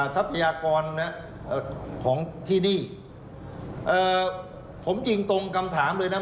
ทรัพยากรของที่นี่ผมยิงตรงคำถามเลยนะ